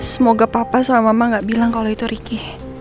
semoga papa sama mama gak bilang kalau itu ricky